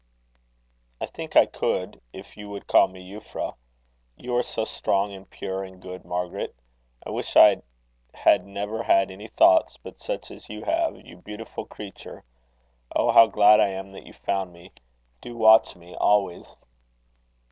"I think I could, if you would call me Euphra. You are so strong, and pure, and good, Margaret! I wish I had never had any thoughts but such as you have, you beautiful creature! Oh, how glad I am that you found me! Do watch me always."